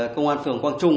công an phường quang trung